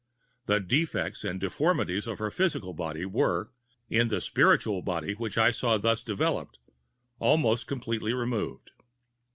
The defects and deformities of her physical body were, in the spiritual body which I saw thus developed, almost completely removed.